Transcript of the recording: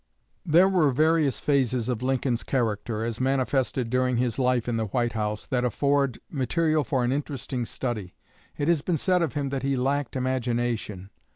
There were various phases of Lincoln's character, as manifested during his life in the White House, that afford material for an interesting study. It has been said of him that he lacked imagination.